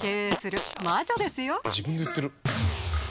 自分で言ってる。